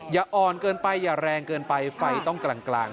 อย่าอ่อนเกินไปอย่าแรงเกินไปไฟต้องกลาง